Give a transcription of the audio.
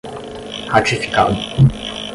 ratificado